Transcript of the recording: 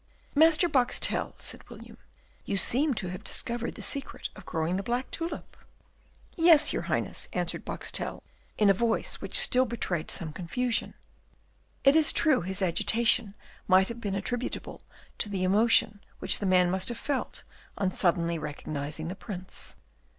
"Master Boxtel," said William, "you seem to have discovered the secret of growing the black tulip?" "Yes, your Highness," answered Boxtel, in a voice which still betrayed some confusion. It is true his agitation might have been attributable to the emotion which the man must have felt on suddenly recognising the Prince.